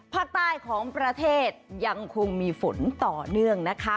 ภาคใต้ของประเทศยังคงมีฝนต่อเนื่องนะคะ